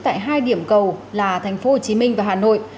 tại hai điểm cầu là thành phố hồ chí minh và hà nội